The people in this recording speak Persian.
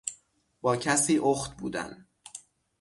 با کسی اخت بودن